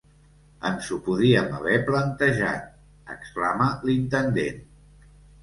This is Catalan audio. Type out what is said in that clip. Ens ho podíem haver plantejat —exclama l'intendent.